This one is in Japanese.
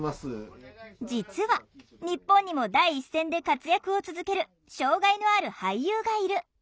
実は日本にも第一線で活躍を続ける障害のある俳優がいる。